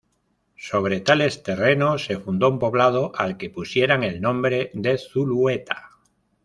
Sobre tales terrenos se fundó un poblado, al que pusieran el nombre de Zulueta.